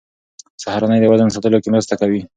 سهارنۍ د وزن ساتلو کې مرسته کوي.